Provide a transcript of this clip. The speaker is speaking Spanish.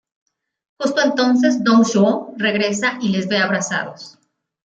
Justo entonces, Dong Zhuo regresa y les ve abrazados.